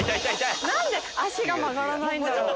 何で足が曲がらないんだろう？